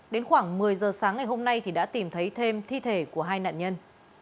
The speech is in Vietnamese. đến khoảng một mươi giờ sáng ngày hôm nay đã tìm thấy thêm thi thể của hai nạn nhân